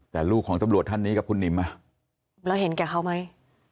แต่ลูกของตำรวจท่านนี้กับคุณหนิมเราเห็นแก่เขาไหม